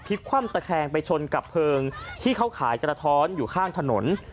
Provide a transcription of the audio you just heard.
คว่ำตะแคงไปชนกับเพลิงที่เขาขายกระท้อนอยู่ข้างถนน